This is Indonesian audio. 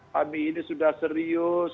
kami ini sudah serius